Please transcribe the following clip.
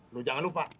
lu jangan lupa